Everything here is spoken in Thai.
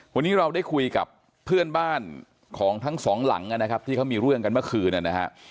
วันนี้เราได้คุยกับเพื่อนบ้านของทั้งสองหลังนะครับที่เขามีเรื่องกันเมื่อคืนนะฮะ